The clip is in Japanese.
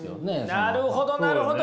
なるほどなるほど。